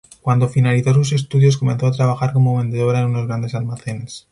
Cuando finalizó sus estudios, comenzó a trabajar como vendedora en unos grandes almacenes.